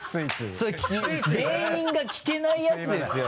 それ芸人が聞けないやつですよ